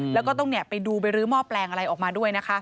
แล้วก็ต้องไปดูไปรื้อหม้อแปลงอะไรออกมาด้วยนะคะ